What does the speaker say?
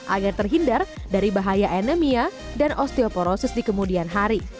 agar terhindar dari bahaya anemia dan osteoporosis di kemudian hari